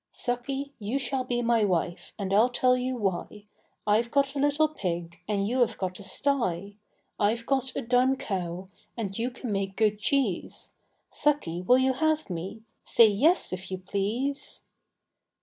Sucky, you shall be my wife, And Iâll tell you why; I have got a little pig, And you have got a sty; I have got a dun cow, And you can make good cheese, Sucky, will you have me? Say yes, if you please.